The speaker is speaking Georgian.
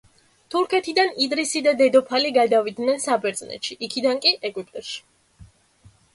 თურქეთიდან იდრისი და დედოფალი გადავიდნენ საბერძნეთში, იქიდან კი ეგვიპტეში.